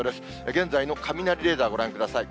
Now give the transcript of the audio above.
現在の雷レーダー、ご覧ください。